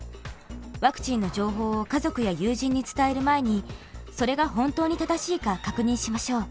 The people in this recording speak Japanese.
ワクチンの情報を家族や友人に伝える前にそれが本当に正しいか確認しましょう。